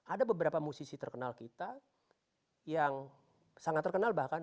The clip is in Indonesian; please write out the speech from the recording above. ada beberapa musisi terkenal kita yang sangat terkenal bahkan